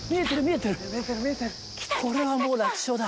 これはもう楽勝だ。